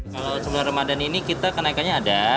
kalau sebelum ramadan ini kita kenaikannya ada